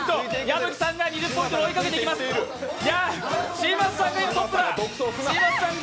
嶋佐さんがトップだ。